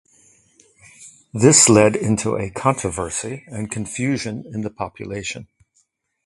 This lead into a controversy and confusion in the population.